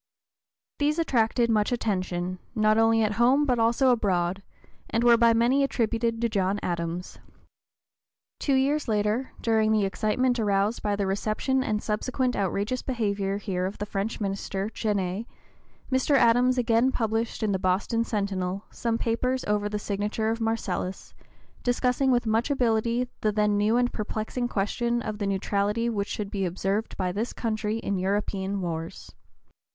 These attracted much attention, not only at home but also abroad, and were by many attributed to John Adams. Two years later, during the excitement aroused by the reception and subsequent outrageous behavior here of the French minister, Genet, Mr. Adams again published in the Boston "Centinel" some papers over the signature of Marcellus, discussing with much ability the then new and perplexing question of the neutrality which should be observed by this country in European wars.